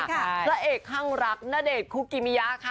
พระเอกข้างรักณเดชน์คุกิมิยะค่ะ